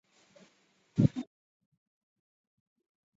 市政府驻地双河街道。